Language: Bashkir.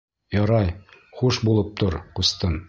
Ярай, хуш булып тор, ҡустым!